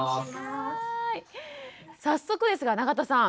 早速ですが永田さん。